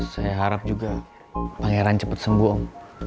saya harap juga pangeran cepet sembuh om